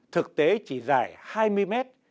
thực tế chỉ dài hai mươi mét